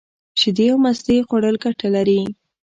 شیدې او مستې خوړل گټه لري.